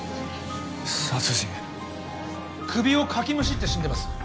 首をかきむしって死んでます。